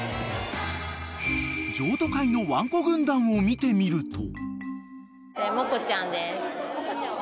［譲渡会のワンコ軍団を見てみると］